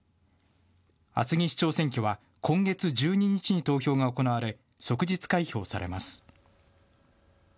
厚木市長選挙は今月１２日に投票が行われ即日開票されます。